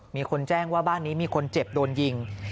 มีคนแจ้งว่าบ้านนี้มีคนเจ็บโดนยิง